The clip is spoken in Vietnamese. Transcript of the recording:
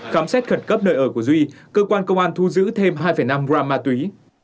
khám xét khẩn cấp nơi ở của duy cơ quan công an thu giữ thêm hai năm gram ma túy